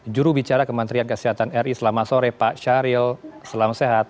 juru bicara kementerian kesehatan ri selamat sore pak syahril selamat sehat